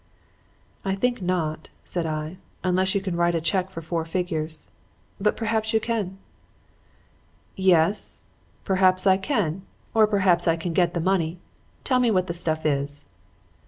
"'I think not,' said I, 'unless you can write a check for four figures. But perhaps you can?' "'Yes, perhaps I can, or perhaps I can get the money. Tell me what the stuff is.'